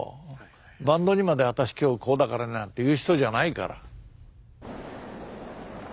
バンドにまで「私今日こうだからね」なんて言う人じゃないから。